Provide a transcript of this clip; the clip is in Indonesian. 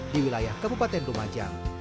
di wilayah kabupaten rumajang